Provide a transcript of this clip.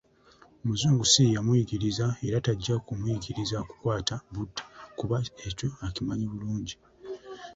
Omuzungu si ye yamuyigiriza era tajja kumuyigiriza kukwata budde kubanga ekyo akimanyi bulungi.